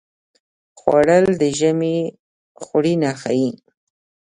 خوړل د ژمي خوړینه ښيي